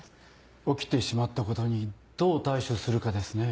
起きてしまったことにどう対処するかですね。